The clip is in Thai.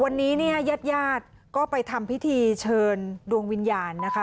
วันนี้เนี่ยญาติญาติก็ไปทำพิธีเชิญดวงวิญญาณนะคะ